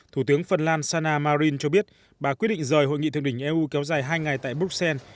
thủ tướng phần lan sana marin cho biết bà quyết định rời hội nghị thượng đỉnh eu kéo dài hai ngày tại bruxelles